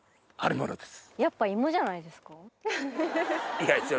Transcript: いや。